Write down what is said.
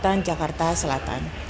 pemimpin di jakarta selatan